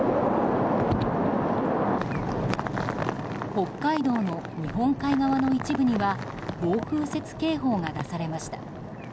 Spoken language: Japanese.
北海道の日本海側の一部には暴風雪警報が出されました。